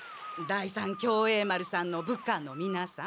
第三協栄丸さんの部下のみなさん。